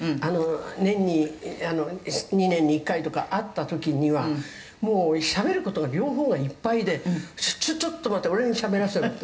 年に２年に１回とか会った時にはもうしゃべる事が両方がいっぱいで“ちょっと待て俺にしゃべらせろ”って」